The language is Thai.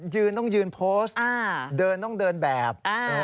ยืนต้องยืนโพสต์เดินต้องเดินแบบ